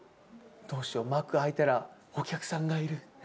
どうしよう、幕開いたらお客さんがいる。